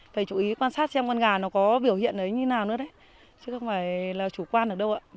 phải chú ý quan sát xem con gà nó có biểu hiện như thế nào nữa đấy chứ không phải là chủ quan ở đâu ạ